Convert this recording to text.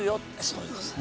そういう事です。